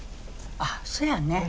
あっそやね。